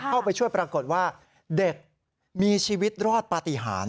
เข้าไปช่วยปรากฏว่าเด็กมีชีวิตรอดปฏิหาร